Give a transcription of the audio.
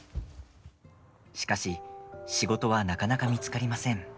しかし仕事はなかなか見つかりません。